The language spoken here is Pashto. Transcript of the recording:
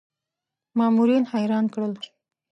مامورین حیران کړل.